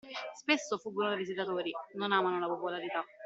Spesso fuggono dai visitatori “non amano la popolarità”.